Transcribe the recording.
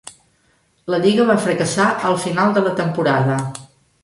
La lliga va fracassar al final de la temporada.